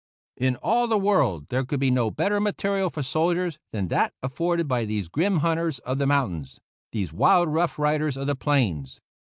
In all the world there could be no better material for soldiers than that afforded by these grim hunters of the mountains, these wild rough riders of the plains.